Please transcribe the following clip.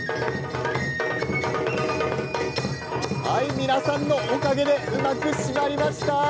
皆さんのおかげでうまく締まりました。